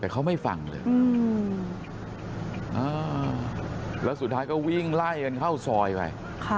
แต่เขาไม่ฟังเลยแล้วสุดท้ายก็วิ่งไล่กันเข้าซอยไป